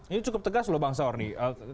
ini cukup tegas loh bang saor nih